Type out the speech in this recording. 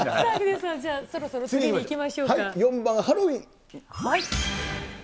ではそろそろ次にいきましょ４番、ハロウィン。